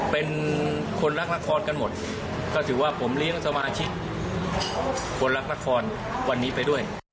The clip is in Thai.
เป็นคนรักละครกันหมดก็ถือว่าผมเลี้ยงสมาชิกคนรักละครวันนี้ไปด้วย